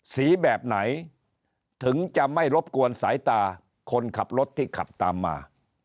สีแบบไหนถึงจะไม่รบกวนสายตาคนขับรถที่ขับตามมา